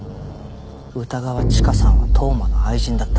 歌川チカさんは当麻の愛人だった。